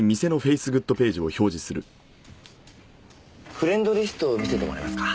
フレンドリストを見せてもらえますか？